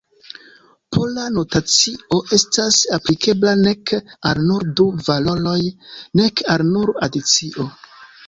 Pola notacio estas aplikebla nek al nur du valoroj, nek al nur adicio.